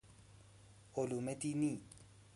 علوم دینی